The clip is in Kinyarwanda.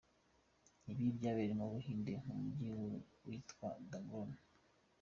Ibi byabereye mu Buhinde mu mujyi witwa Khargone.